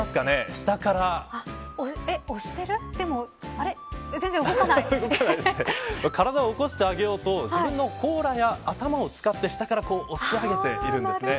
下から体を起こしてあげようと自分の甲羅や頭を使って下から押し上げているんです。